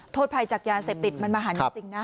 โทษภัยจากยาเสพติดมันมาหันจริงนะ